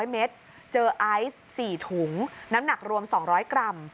๐เมตรเจอไอซ์๔ถุงน้ำหนักรวม๒๐๐กรัม